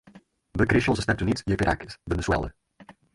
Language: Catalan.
Va créixer als Estats Units i a Caracas, Veneçuela.